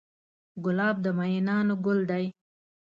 ګلاب د مینانو ګل دی.